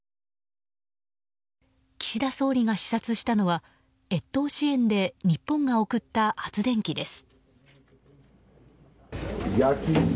岸田総理が視察したのは越冬支援で日本が贈った発電機です。